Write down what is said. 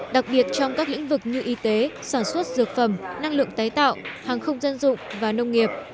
đặc biệt trong các lĩnh vực như y tế sản xuất dược phẩm năng lượng tái tạo hàng không dân dụng và nông nghiệp